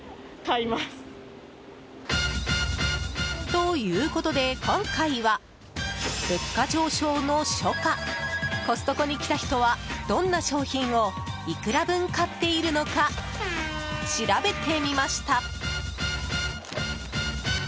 ということで今回は物価上昇の初夏コストコに来た人はどんな商品をいくら分買っているのか調べてみました。